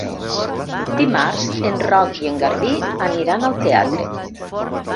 Dimarts en Roc i en Garbí aniran al teatre.